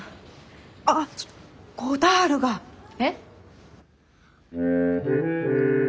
あっゴダールが。えっ？